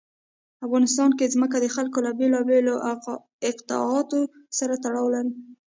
افغانستان کې ځمکه د خلکو له بېلابېلو اعتقاداتو سره تړاو لري.